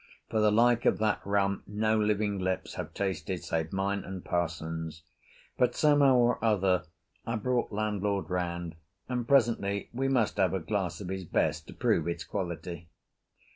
For the like of that rum no living lips have tasted save mine and parson's. But somehow or other I brought landlord round, and presently we must have a glass of his best to prove its quality.